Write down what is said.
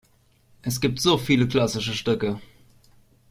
Es gibt so viele klassische Stücke!